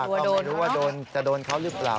ก็ไม่รู้ว่าจะโดนเขาหรือเปล่า